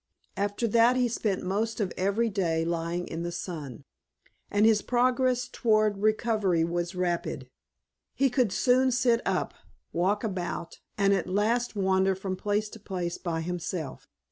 After that he spent most of every day lying in the sun, and his progress toward recovery was rapid. He could soon sit up, walk about, and at last wander from place to place by himself.